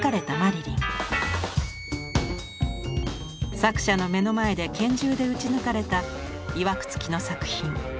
作者の目の前で拳銃で撃ち抜かれたいわくつきの作品。